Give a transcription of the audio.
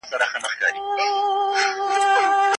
مذهبي بدلونونه د ټولني روح بدلوي.